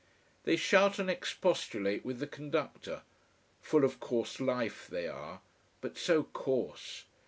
They shout and expostulate with the conductor. Full of coarse life they are: but so coarse!